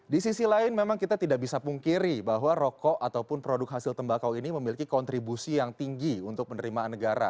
di sisi lain memang kita tidak bisa pungkiri bahwa rokok ataupun produk hasil tembakau ini memiliki kontribusi yang tinggi untuk penerimaan negara